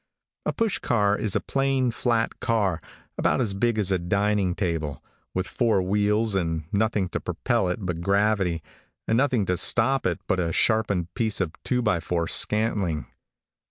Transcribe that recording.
A push car is a plain flat car, about as big as a dining table, with four wheels, and nothing to propel it but gravity, and nothing to stop it but a sharpened piece of two by four scantling.